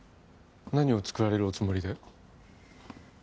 何を作られるおつもりで？